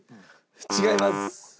違います。